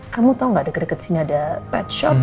kamu tau gak deket deket sini ada pet shop